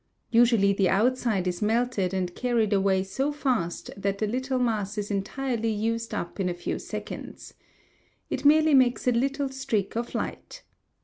Usually the outside is melted and carried away so fast that the little mass is entirely used up in a few seconds. It merely makes a little streak of light.